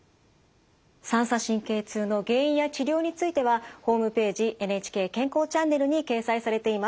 三叉神経痛の原因や治療についてはホームページ「ＮＨＫ健康チャンネル」に掲載されています。